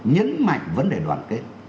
nhấn mạnh vấn đề đoàn kết